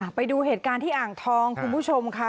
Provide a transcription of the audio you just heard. ไปดูเหตุการณ์ที่อ่างทองคุณผู้ชมค่ะ